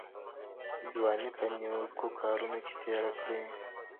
ځواني په نیکو کارونو کې تېره کړئ.